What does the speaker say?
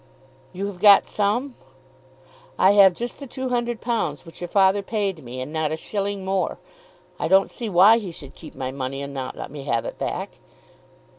"You have got some?" "I have just the two hundred pounds which your father paid me, and not a shilling more. I don't see why he should keep my money, and not let me have it back."